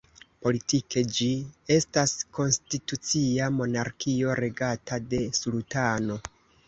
Politike ĝi estas konstitucia monarkio regata de sultano.